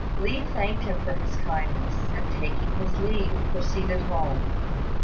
Li thanked him for his kindness, and, taking his leave, proceeded home.